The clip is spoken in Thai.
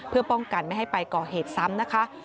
เพื่อป้องกันไม่ให้ไปก่อเหตุซ้ำนะคะ